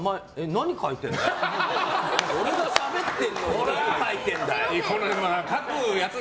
何書いてんだよ！って。